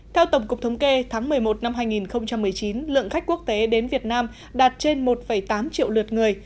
theo tổng cục thống kê tháng một mươi một năm hai nghìn một mươi chín lượng khách quốc tế đến việt nam đạt trên một tám triệu lượt người